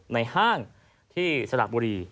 ในห้างที่สนับบุรี